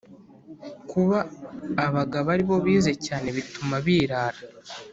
Kuba abagabo ari bo bize cyane bituma birara